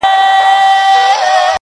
هغه وه تورو غرونو ته رويا وايي~